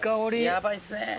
やばいっすね。